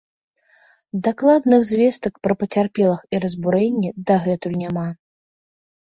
Дакладных звестак пра пацярпелых і разбурэнні дагэтуль няма.